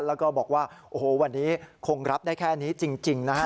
แล้วก็บอกว่าโอ้โหวันนี้คงรับได้แค่นี้จริงนะฮะ